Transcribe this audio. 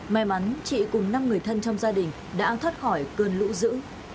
may mắn chị cùng năm người thân trong gia đình đã thoát khỏi cơn lũ dữ